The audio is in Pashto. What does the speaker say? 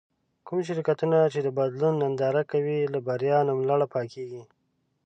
کوم شرکتونه چې د بدلون ننداره کوي له بريا نوملړه پاکېږي.